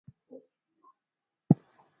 Mwanamke ni mvivu